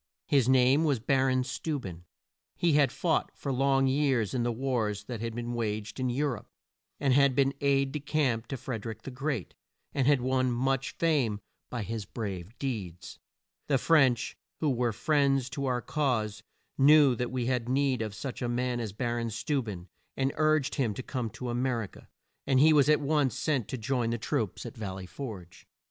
His name was Bar on Steu ben. He had fought for long years in the wars that had been waged in Eu rope, had been aide de camp to Fred er ick the Great, and had won much fame by his brave deeds. The French, who were friends to our cause, knew that we had need of such a man as Bar on Steu ben, and urged him to come to A mer i ca, and he was at once sent to join the troops at Val ley Forge.